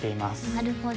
なるほど。